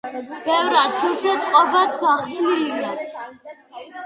ბევრ ადგილზე წყობაც გახსნილია.